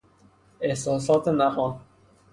احساسات نهان